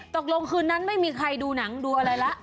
ตกลงคืนนั้นไม่มีใครดูหนังดูอะไรแล้ว